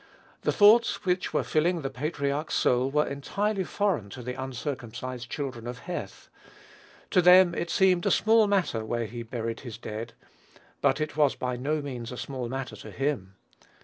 The thoughts which were filling the patriarch's soul were entirely foreign to the uncircumcised children of Heth. To them it seemed a small matter where he buried his dead; but it was by no means a small matter to him.